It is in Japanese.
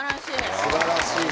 すばらしい！